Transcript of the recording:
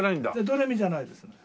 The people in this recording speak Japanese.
ドレミじゃないですね。